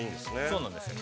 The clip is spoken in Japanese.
◆そうなんですよ。